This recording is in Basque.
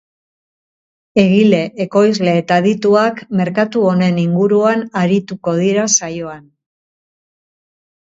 Egile, ekoizle eta adituak merkatu honen inguruan arituko dira saioan.